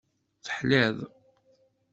Teḥliḍ.